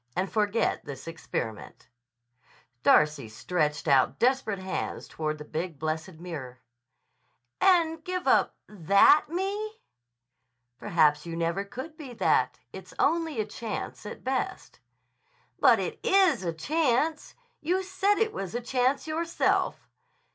And forget this experiment." Darcy stretched out desperate hands toward the big, blessed mirror. "And give up that Me?" "Perhaps you never could be that. It's only a chance at best." "But it is a chance. You said it was a chance yourself."